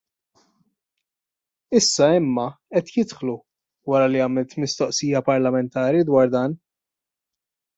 Issa imma qed jidħlu wara li għamilt mistoqsija parlamentari dwar dan.